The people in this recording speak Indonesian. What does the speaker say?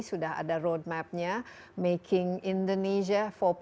sudah ada roadmapnya making indonesia empat